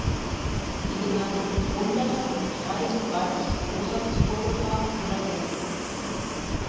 Die genagelten Kronblätter sind frei und weiß, rosa bis purpurfarben oder gelb.